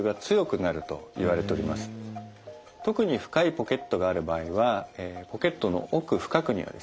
特に深いポケットがある場合はポケットの奥深くにはですね